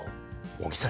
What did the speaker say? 尾木さん